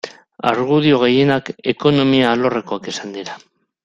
Argudio gehienak ekonomia alorrekoak izan dira.